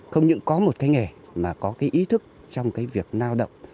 không những có một cái nghề mà có cái ý thức trong cái việc nao động